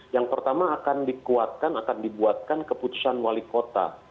yang pertama akan dikuatkan akan dibuatkan keputusan wali kota